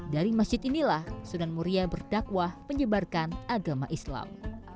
dari masjid inilah sunan muria berdakwah menyebarkan agama islam